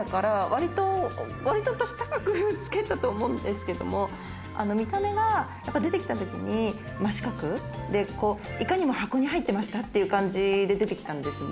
わりかし高くつけたと思うんですけれど、出てきたときに真四角で、いかにも箱に入っていましたという感じで出てきたんです。